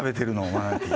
マナティー。